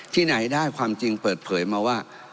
ที่ไหนได้ความจริงเปิดเผยมาว่า